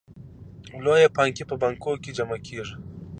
لویې پانګې په بانکونو کې جمع کېږي